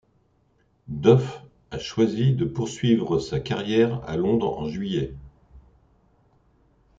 Duff a choisi de poursuivre sa carrière à Londres en juillet.